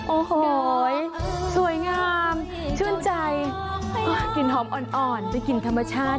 โอ้โหสวยงามชื่นใจกลิ่นหอมอ่อนไปกินธรรมชาติ